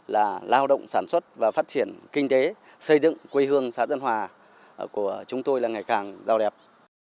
là lao động sản xuất và phát triển kinh tế xây dựng quê hương xã tân hòa của chúng tôi là ngày càng giàu đẹp